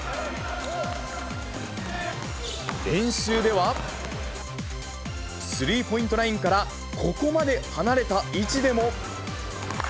練習では、スリーポイントラインからここまで離れた位置でも。